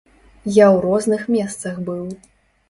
Я ў розных месцах быў.